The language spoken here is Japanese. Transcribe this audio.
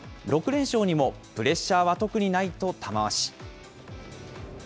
６連勝にもプレッシャーは特にないと玉鷲。